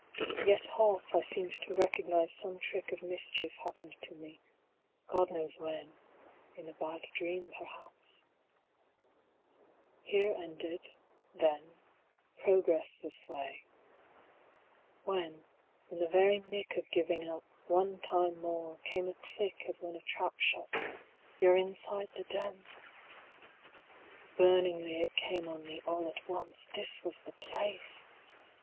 Yet half I seemed to recognize some trick Of mischief happened to me, God knows when 170 In a bad dream perhaps. Here ended, then, Progress this way. When, in the very nick Of giving up, one time more, came a click As when a trap shuts you're inside the den! Burningly it came on me all at once, 175 This was the place!